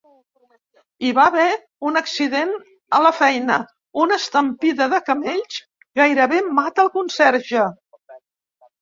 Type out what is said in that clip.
Hi va haver un accident a la feina: una estampida de camells gairebé mata el conserge.